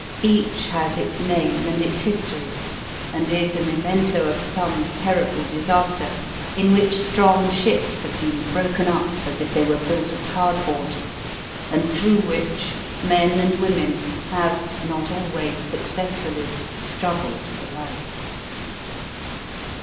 Each has its name and its history, and is a memento of some terrible disaster in which strong ships have been broken up as if they were built of cardboard, and through which men and women have not always successfully struggled for life.